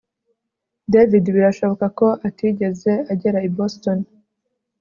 David birashoboka ko atigeze agera i Boston